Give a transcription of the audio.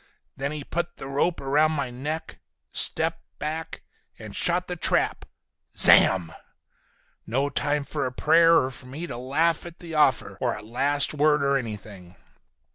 Then he put the rope around my neck, stepped back and shot the trap. Zamm! No time for a prayer—or for me to laugh at the offer!—or a last word or anything.